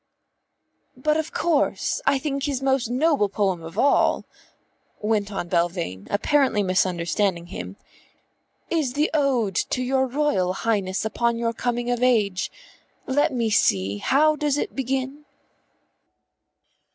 "But of course I think his most noble poem of all," went on Belvane, apparently misunderstanding him, "is the ode to your Royal Highness upon your coming of age. Let me see, how does it begin?